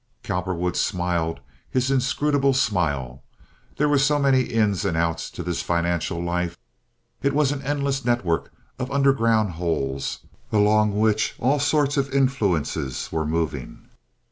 Cowperwood smiled his inscrutable smile. There were so many ins and outs to this financial life. It was an endless network of underground holes, along which all sorts of influences were moving.